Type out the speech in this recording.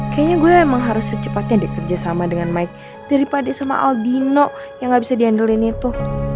kayaknya gue emang harus secepatnya dikerja sama dengan mike daripada sama aldino yang gak bisa diandelin itu